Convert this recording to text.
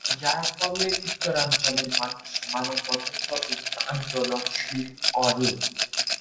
যার ফলে উত্তরাঞ্চলের মানুষ মানব-বন্ধনসহ বিভিন্ন আন্দোলন শুরু করে।